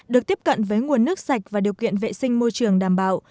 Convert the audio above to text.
được tiếp cận với nguồn nước sạch và điều kiện vệ sinh môi trường đảm bảo